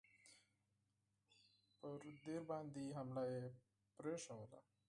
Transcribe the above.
پر دیر باندي حمله یې پرېښوده.